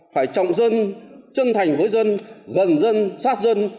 phải trọng dân chân thành với dân gần dân sát dân